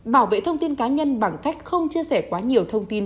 bảo vệ thông tin cá nhân bằng cách không chia sẻ quá nhiều thông tin